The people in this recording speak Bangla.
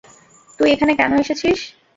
তুই এখানে কেন এসেছিস?